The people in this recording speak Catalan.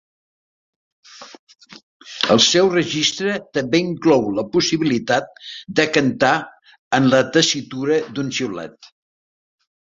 El seu registre també inclou la possibilitat de cantar en la tessitura d'un xiulet.